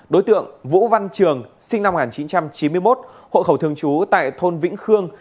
đối tượng vũ văn trường sinh năm một nghìn chín trăm chín mươi một hộ khẩu thường trú tại thôn vĩnh khương